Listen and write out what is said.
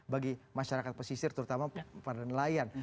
bagi masyarakat pesisir terutama para nelayan